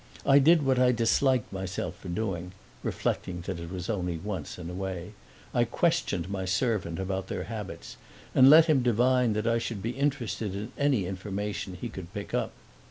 I did what I disliked myself for doing (reflecting that it was only once in a way): I questioned my servant about their habits and let him divine that I should be interested in any information he could pick up.